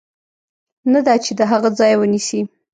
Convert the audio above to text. نه دا چې د هغه ځای ونیسي.